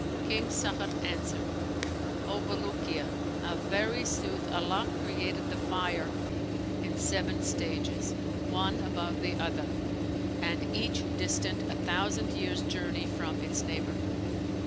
King Sakhr answered, 'O Bulukiya, of very sooth Allah created the fire in seven stages, one above the other, and each distant a thousand years journey from its neighbour.